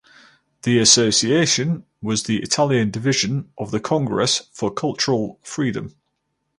The Association was the Italian division of the Congress for Cultural Freedom.